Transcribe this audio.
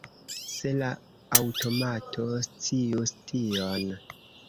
Se la aŭtomato scius tion!